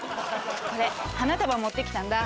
これ花束持って来たんだ